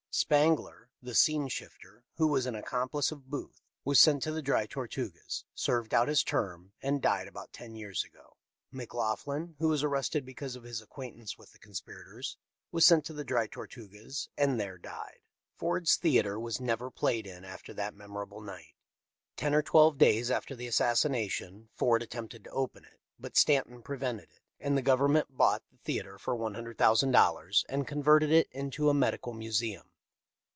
Spangler, the scene shifter, who was an accomplice of Booth, was sent to the Dry Tortugas, served out his term and died about ten years ago. McLoughlin, who was ar rested because of his acquaintance with the conspi rators, was sent to the Dry Tortugas and there died. 578 THE LIFE OF LINCOLN. " Ford's Theatre was never played in after that memorable night. Ten or twelve days after the assassination Ford attempted to open it, but Stan ton prevented it, and the Government bought the theatre for $100,000, and converted it into a medi cal museum.